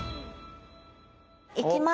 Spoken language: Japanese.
いきます！